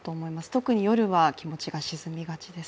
特に夜は気持ちが沈みがちです。